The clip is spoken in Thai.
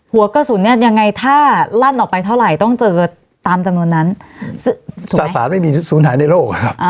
หัวกระสุนเนี่ยยังไงถ้าลั่นออกไปเท่าไหร่ต้องเจอตามจำนวนนั้นจะสารไม่มีศูนย์หายในโลกอะครับ